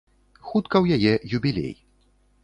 Хутка ў яе юбілей.